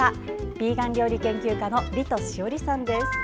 ヴィ―ガン料理研究家のリト史織さんです。